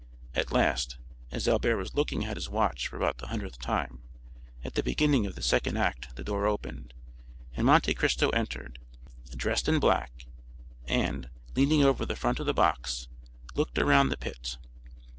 At last, as Albert was looking at his watch for about the hundredth time, at the beginning of the second act the door opened, and Monte Cristo entered, dressed in black, and, leaning over the front of the box, looked around the pit.